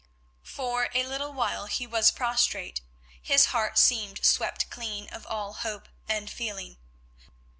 For a little while he was prostrate, his heart seemed swept clean of all hope and feeling.